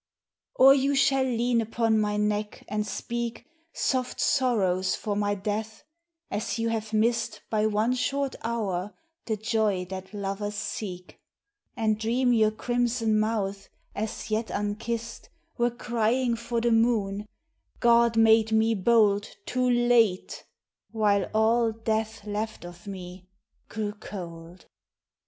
Or you shall lean upon my neck and speak Soft sorrows for my death, as you~have missed By one short hour the joy that lovers seek ; And dream your crimson mouth as yet unkissed, Were crying for the moon, "God made me bold Too late," while all Death left of me grew cold.